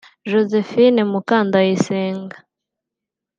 Josephine Mukandayisenga